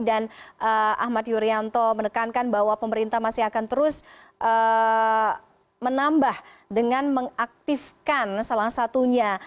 dan ahmad yuryanto menekankan bahwa pemerintah masih akan terus menambah dengan mengaktifkan salah satunya